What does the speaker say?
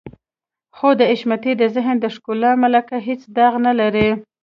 خو د حشمتي د ذهن د ښکلا ملکه هېڅ داغ نه لري.